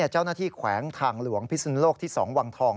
เจ้าหน้าที่แขวงทางหลวงพิศนุโลกที่๒วังทอง